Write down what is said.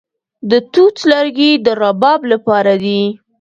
د توت لرګي د رباب لپاره دي.